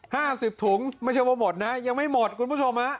ห้าสิบถุงไม่ใช่ว่าหมดนะยังไม่หมดคุณผู้ชมฮะ